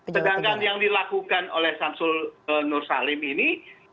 sedangkan yang dilakukan oleh samsul nur salim ini